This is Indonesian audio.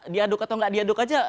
diaduk atau nggak diaduk aja